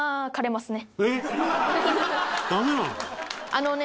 あのね